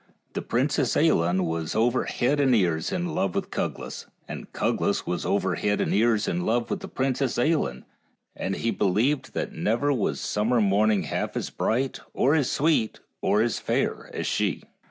The Princess Ailinn was over head and ears in love with Cuglas, and Cuglas was over head and ears in love with the Princess Ailinn, and he be lieved that never was summer morning half as bright, or as sweet, or as fair as she.